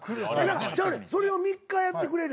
それを３日やってくれれば。